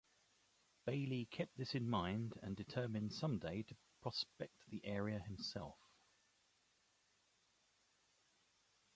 Bayley kept this in mind and determined some day to prospect the area himself.